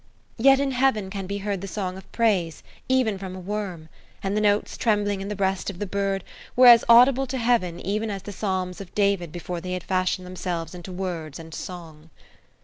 Yet in heaven can be heard the song of praise, even from a worm; and the notes trembling in the breast of the bird were as audible to Heaven even as the psalms of David before they had fashioned themselves into words and song.